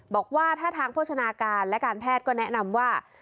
บอกว่าถ้าทางโภชนาการและการแพทย์ก็แนะนำว่า